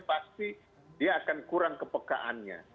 pasti dia akan kurang kepekaannya